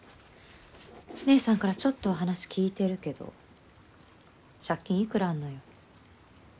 姉さんからちょっとは話聞いてるけど借金いくらあんのよ？